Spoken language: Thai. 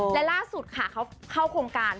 และล่าสุดค่ะเขาเข้าโครงการ